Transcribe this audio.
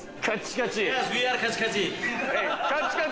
カッチカチ！